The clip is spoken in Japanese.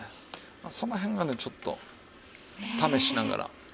まあその辺がねちょっと試しながら。